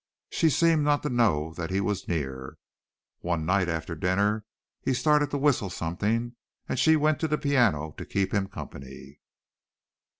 She seemed not to know that he was near. One night after dinner he started to whistle something and she went to the piano to keep him company.